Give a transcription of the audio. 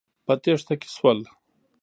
په تېښته کې شول.